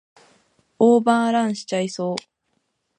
オーバーランしちゃいそう